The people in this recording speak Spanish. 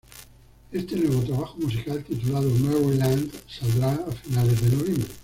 Este nuevo trabajo musical titulado Merrie Land, saldrá a finales de noviembre.